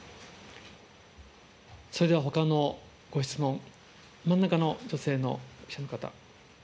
それではほかのご質問、真ん中の女性の記者の方。